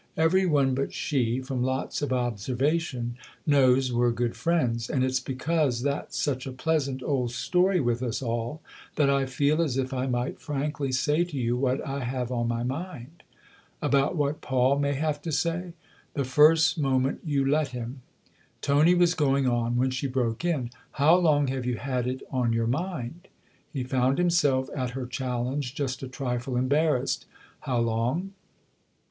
Every one but she from lots of observation knows we're good friends, and it's because that's such a pleasant old story with us all that I feel as if I might frankly say to you what I have on my mind." " About what Paul may have to say ?"" The first moment you let him." Tony was going on when she broke in :" How long have you had it on your mind ?" He found himself, at her challenge, just a trifle embarrassed. " How long